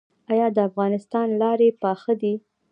آیا د افغانستان لارې پاخه دي؟